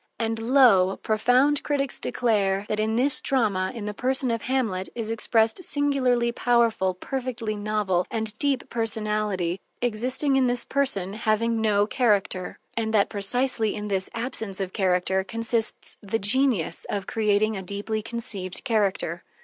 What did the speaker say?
And lo! profound critics declare that in this drama, in the person of Hamlet, is expressed singularly powerful, perfectly novel, and deep personality, existing in this person having no character; and that precisely in this absence of character consists the genius of creating a deeply conceived character.